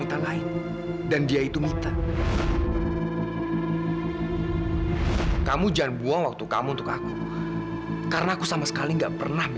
terus kamu mau apa